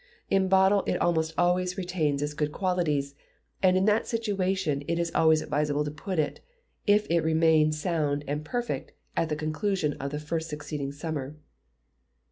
In bottle it almost always retains its good qualities, and in that situation it is always advisable to put it, if it remain sound and perfect at the conclusion of the first succeeding summer.